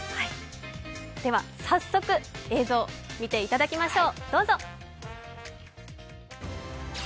では早速、映像を見ていただきましょう。